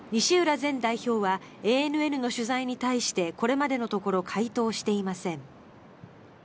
前代表はＡＮＮの取材に対してこれまでのところ回答していません。